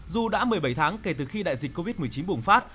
dù đã một mươi bảy tháng kể từ khi đại dịch covid một mươi chín bùng phát